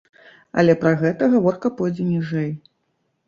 Але пра гэта гаворка пойдзе ніжэй.